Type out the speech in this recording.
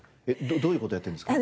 どういう事やってるんですか？